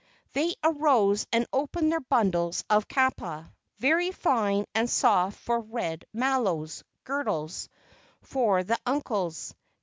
They arose and opened their bundles of kapa, very fine and soft for red malos (girdles) for the uncles.